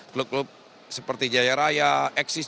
klub klub seperti jaya raya eksis